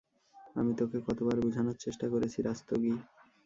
আমি তোকে কতোবার বুঝানোর চেষ্টা করেছি, রাস্তোগি।